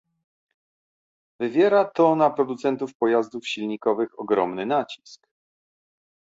Wywiera to na producentów pojazdów silnikowych ogromny nacisk